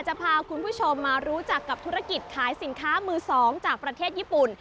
จะพาคุณผู้ชมมารู้จักกับธุรกิจขายสินค้ามือ๒จากประเทศญี่ปุ่น